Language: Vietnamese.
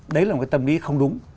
đấy là một cái tâm lý không đúng